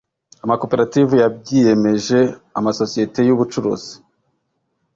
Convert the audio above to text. amakoperative yabyiyemeje amasosiyete y ubucuruzi